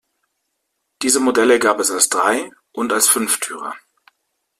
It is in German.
Diese Modelle gab als Drei- und als Fünftürer.